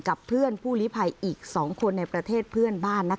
กับเพื่อนผู้ลิภัยอีก๒คนในประเทศเพื่อนบ้าน